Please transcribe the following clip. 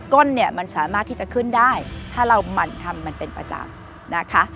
้นเนี่ยมันสามารถที่จะขึ้นได้ถ้าเราหมั่นทำมันเป็นประจำนะคะ